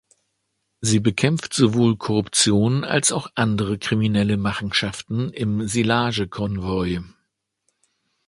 Sie bekämpft sowohl Korruption als auch andere kriminelle Machenschaften im Sillage-Konvoi.